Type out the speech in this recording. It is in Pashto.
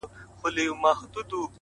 ستا خالونه مي ياديږي ورځ تېرېږي;